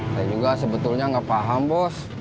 saya juga sebetulnya nggak paham bos